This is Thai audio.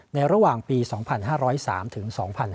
ในระหว่างปี๒๕๐๓ถึง๒๕๕๙